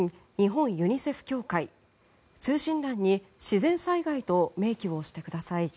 通信欄に自然災害と明記をしてください。